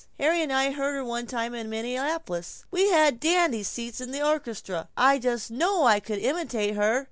(Harry and I heard her one time in Minneapolis we had dandy seats, in the orchestra I just know I could imitate her.)